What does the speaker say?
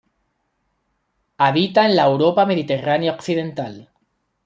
Habita en la Europa mediterránea occidental.